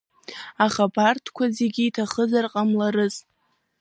Аха абарҭқәа зегьы иҭахызаргьы ҟамларыз…